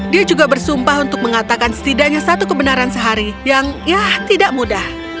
dia juga bersumpah untuk mengatakan setidaknya satu kebenaran sehari yang ya tidak mudah